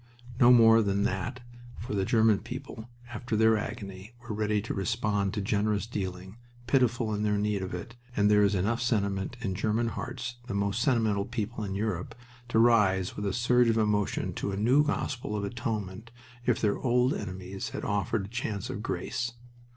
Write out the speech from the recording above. No, more than that; for the German people, after their agony, were ready to respond to generous dealing, pitiful in their need of it, and there is enough sentiment in German hearts the most sentimental people in Europe to rise with a surge of emotion to a new gospel of atonement if their old enemies had offered a chance of grace.